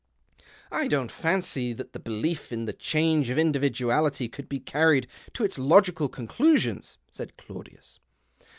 " I don't fancy that the belief in the change of individuality could be carried to its logical conclusions," said Claudius.